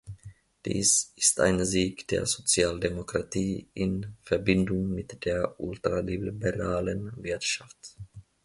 Dies ist ein Sieg der Sozialdemokratie in Verbindung mit der ultraliberalen Wirtschaft.